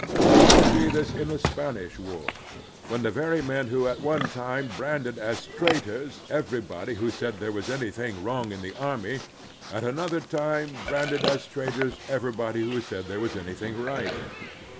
We all saw this in the Spanish war, when the very men who at one time branded as traitors everybody who said there was anything wrong in the army at another time branded as traitors everybody who said there was anything right.